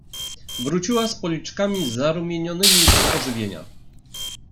"Wróciła z policzkami zarumienionymi z ożywienia."